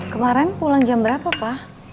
kemaren pulang jam berapa pa